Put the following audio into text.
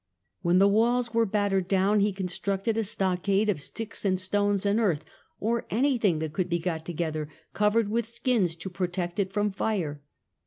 When the walls were battered down he constructed a stockade of sticks and stones and earth, or anything that could be got together, covered with skins to protect it from fire.